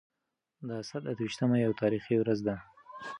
د اسد اته ويشتمه يوه تاريخي ورځ ده.